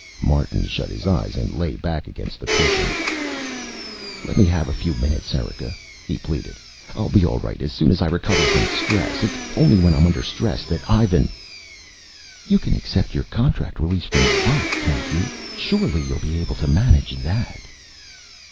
Martin shut his eyes and lay back against the cushions. "Let me have a few minutes, Erika," he pleaded. "I'll be all right as soon as I recover from stress. It's only when I'm under stress that Ivan " "You can accept your contract release from Watt, can't you? Surely you'll be able to manage that."